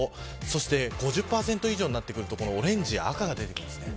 そして５０％以上になってくるとオレンジ、赤が出てきます。